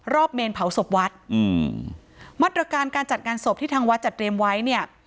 เมนเผาศพวัดอืมมาตรการการจัดงานศพที่ทางวัดจัดเตรียมไว้เนี่ย